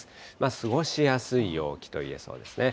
過ごしやすい陽気といえそうですね。